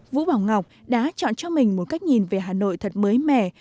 vũ bảo ngọc đã chọn cho mình một cách nhìn về hà nội thật mới mẻ